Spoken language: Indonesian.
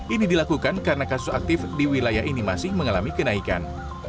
ini dilakukan karena kasus aktif di wilayah ini masih mengalami kenaikan